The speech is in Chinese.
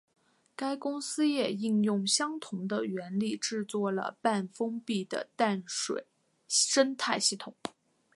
该公司也应用相同的原理制作了半封闭的淡水生态系统。